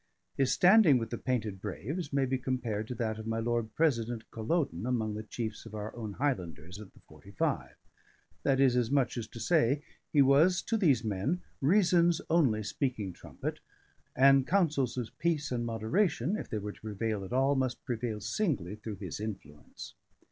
His standing with the painted braves may be compared to that of my Lord President Culloden among the chiefs of our own Highlanders at the 'Forty five; that is as much as to say, he was, to these men, reason's only speaking trumpet, and counsels of peace and moderation, if they were to prevail at all, must prevail singly through his influence.